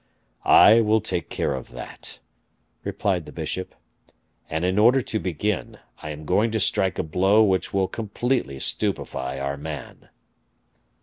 "I will take care of that," replied the bishop, "and in order to begin, I am going to strike a blow which will completely stupefy our man."